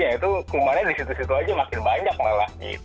ya itu kumannya di situ situ aja makin banyak malah